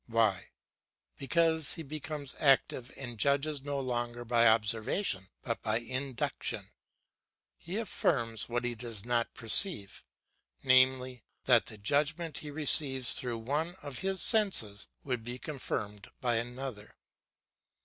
Why? Because he becomes active and judges no longer by observation but by induction, he affirms what he does not perceive, i.e., that the judgment he receives through one of his senses would be confirmed by another.